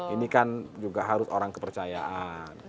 ini kan juga harus orang kepercayaan